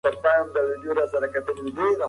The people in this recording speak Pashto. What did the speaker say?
شعر د تجربو او احساس ترکیب دی.